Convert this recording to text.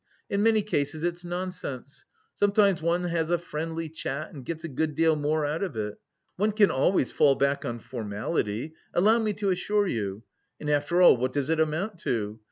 In many cases it's nonsense. Sometimes one has a friendly chat and gets a good deal more out of it. One can always fall back on formality, allow me to assure you. And after all, what does it amount to?